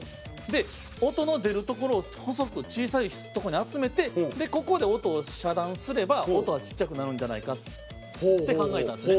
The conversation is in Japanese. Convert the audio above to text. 音の出る所を細く小さいとこに集めてここで音を遮断すれば音はちっちゃくなるんじゃないかって考えたんですね。